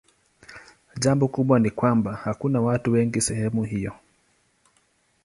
Jambo kubwa ni kwamba hakuna watu wengi sehemu hiyo.